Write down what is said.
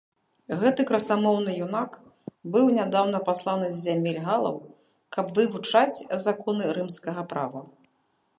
Гэты красамоўны юнак быў нядаўна пасланы з зямель галаў, каб вывучаць законы рымскага права.